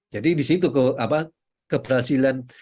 jadi di situ keberhasilan